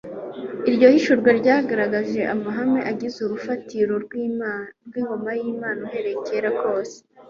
Iryo hishurwa ryagaragaje amahame agize urufatiro rw'ingoma y'Imana uhereye kera kose."